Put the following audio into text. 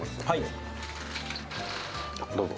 どうぞ。